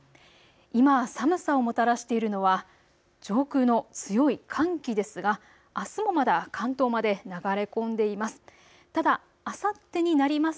今、寒さをもたらしているのは上空の強い寒気ですがあすもまだ関東まで流れ込んでいます。